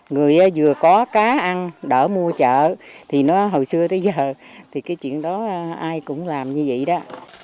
người vừa có cá ăn đỡ mua chợ thì nó hồi xưa tới giới thì cái chuyện đó ai cũng làm như vậy đó